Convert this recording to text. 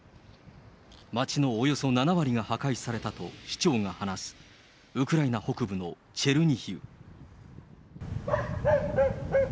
街のおよそ７割が破壊されたと市長が話す、ウクライナ北部のチェルニヒウ。